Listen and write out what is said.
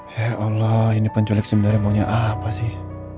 hei allah ini penculik sebenarnya maunya apa sih